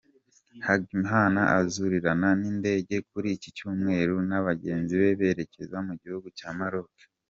Hegman azurirana indege, kuri iki cyumweru, na bagenzi be berekeza mu gihugu cya Maroc.